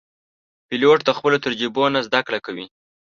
پیلوټ د خپلو تجربو نه زده کوي.